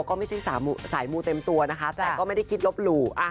ก็ไม่ใช่สายมูเต็มตัวนะคะแต่ก็ไม่ได้คิดลบหลู่